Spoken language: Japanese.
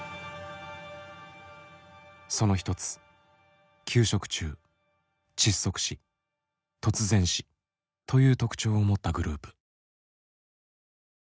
その一つ「給食中」「窒息死」「突然死」という特徴を持ったグループ。